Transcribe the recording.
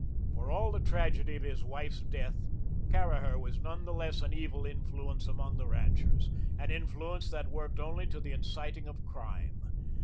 For all the tragedy of his wife's death, Caraher was none the less an evil influence among the ranchers, an influence that worked only to the inciting of crime.